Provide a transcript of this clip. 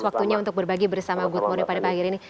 waktunya untuk berbagi bersama good morning pada pagi ini